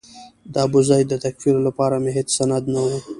د ابوزید د تکفیر لپاره مې هېڅ سند نه و.